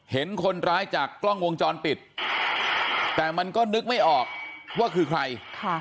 เห็นคนร้ายจากกล้องวงจรปิดแต่มันก็นึกไม่ออกว่าคือใคร